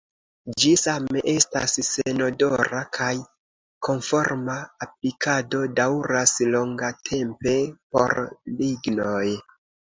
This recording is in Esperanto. Ĝi same estas senodora kaj konforma aplikado daŭras longatempe por lignoj.